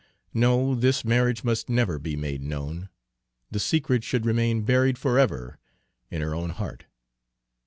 No, this marriage must never be made known; the secret should remain buried forever in her own heart!